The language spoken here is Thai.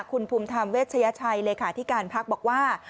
คุณภูมิธรรมเวชยชัยเลขาธิการพักบอกว่า